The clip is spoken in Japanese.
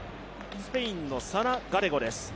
スペインのサラ・ガレゴです。